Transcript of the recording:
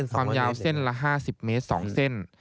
ความยาวเส้นละ๕๐เมตร๒เส้น